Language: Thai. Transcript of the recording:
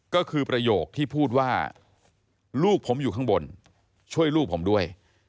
ก็คือประโยคที่พูดว่าลูกผมอยู่ข้างบนช่วยลูกผมด้วย